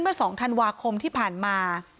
เมื่อ๒ธันวาคมที่ผ่านมา